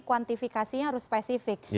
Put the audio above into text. kuantifikasinya harus spesifik